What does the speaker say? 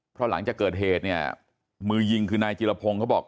เพราะหลังจากเกิดเหตุเนี่ยมือยิงคือนายจิรพงศ์เขาบอก